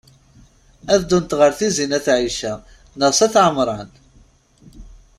Ad ddunt ɣer Tizi n at Ɛica neɣ s at Ɛemṛan?